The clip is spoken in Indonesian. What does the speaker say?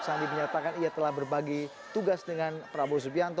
sandi menyatakan ia telah berbagi tugas dengan prabowo subianto